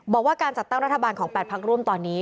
บอกว่าการจัดตั้งรัฐบาลของ๘พักร่วมตอนนี้